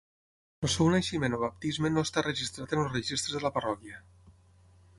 El seu naixement o baptisme no està registrat en els registres de la parròquia.